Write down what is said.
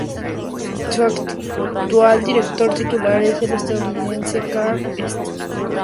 Su actual director titular es el estadounidense Carl St.